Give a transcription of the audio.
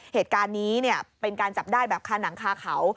เหตุการณ์นี้เป็นการจับได้แบบคาหนังคาเขา